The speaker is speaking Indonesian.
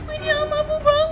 ini alma bu bangun